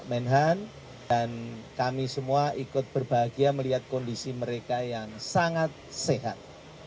menhan dan kami semua ikut berbahagia melihat kondisi mereka yang sangat sehat